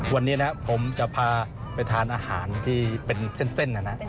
วันนี้นะผมจะพาไปทานอาหารที่เป็นเส้นนะนะ